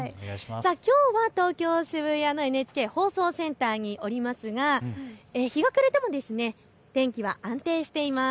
きょうは東京渋谷のＮＨＫ放送センターにおりますが、日が暮れても天気は安定しています。